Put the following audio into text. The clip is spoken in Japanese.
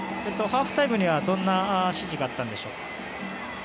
ハーフタイムにはどんな指示があったんでしょう。